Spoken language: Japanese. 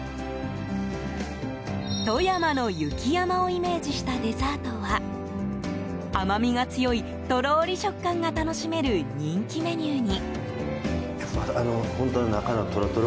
富山の雪山をイメージしたデザートは甘みが強い、とろーり食感が楽しめる人気メニューに。